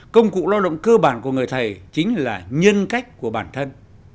công cụ lao động cơ bản của người thầy chính là nhân cách của bản thân